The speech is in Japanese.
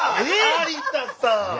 有田さん！